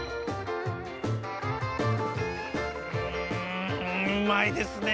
うんうまいですね